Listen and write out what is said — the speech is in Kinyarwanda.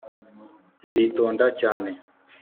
nzitonda cyane